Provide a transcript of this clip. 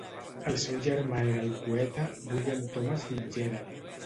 El seu germà era el poeta, William Thomas Fitzgerald.